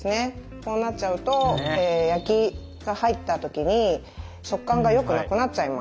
こうなっちゃうと焼きが入った時に食感がよくなくなっちゃいます。